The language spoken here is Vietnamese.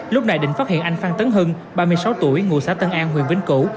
lúc này định phát hiện anh phan tấn hưng ba mươi sáu tuổi ngụ xã tân an huyện vĩnh cửu